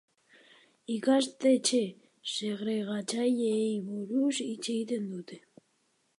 Ikastetxe segregatzaileei buruz hitz egiten dute.